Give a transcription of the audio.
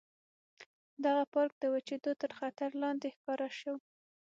دغه پارک د وچېدو تر خطر لاندې ښکاره شو.